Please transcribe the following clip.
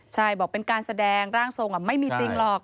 ใช่บอกเป็นการแสดงร่างทรงไม่มีจริงหรอก